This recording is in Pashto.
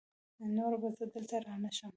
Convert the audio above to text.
نور به زه دلته رانشم!